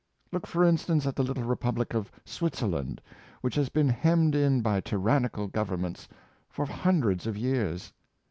Look for instance, at the little Republic of Switzer land, which has been hemmed in by tyranical govern ments for hundreds of years.